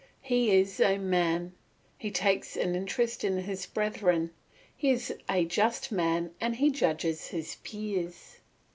He is a man; he takes an interest in his brethren; he is a just man and he judges his peers.